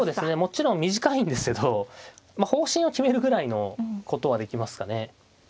もちろん短いんですけど方針を決めるぐらいのことはできますかね。